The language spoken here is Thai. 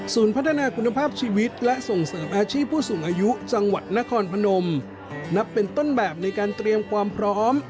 พัฒนาคุณภาพชีวิตและส่งเสริมอาชีพผู้สูงอายุจังหวัดนครพนมนับเป็นต้นแบบในการเตรียมความพร้อม